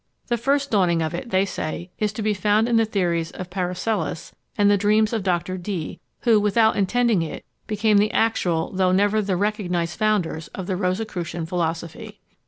The first dawning of it, they say, is to be found in the theories of Paracelsus and the dreams of Dr. Dee, who, without intending it, became the actual, though never the recognised founders of the Rosicrucian philosophy.